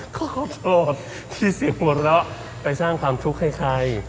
ขอโทษที่เสียงหัวเราะไปสร้างความทุกข์ให้ใคร